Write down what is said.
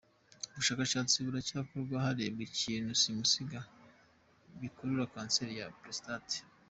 Ubushakashatsi buracyakorwa harebwa ibintu simusiga bikurura kanseri ya prostate.